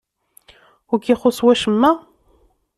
Ur k-ixuṣṣ wacemma?